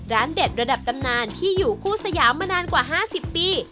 เด็ดระดับตำนานที่อยู่คู่สยามมานานกว่า๕๐ปี